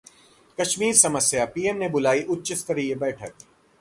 कश्मीर समस्या: पीएम ने बुलाई उच्चस्तरीय बैठक